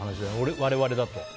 我々だと。